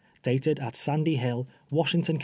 Dated at Sandy Ilill, Washington Co.